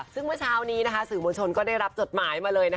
ซึ่งเมื่อเช้านี้สื่อมวลชนก็ได้รับจดหมายมาเลย